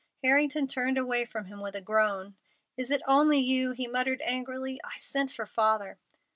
Harrington turned away from him with a groan. "Is it only you?" he muttered angrily. "I sent for Father."